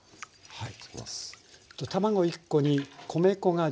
はい。